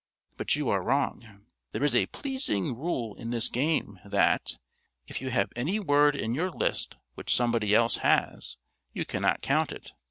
But you are wrong. There is a pleasing rule in this game that, if you have any word in your list which somebody else has, you cannot count it.